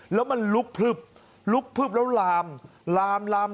แล้วมันลุกพลึบลุกพลึบแล้วลาม